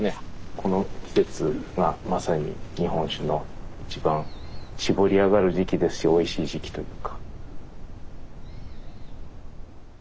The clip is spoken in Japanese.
この季節がまさに日本酒の一番搾り上がる時期ですしおいしい時期というか。